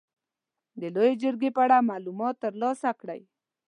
د لويې جرګې په اړه معلومات تر لاسه کړئ.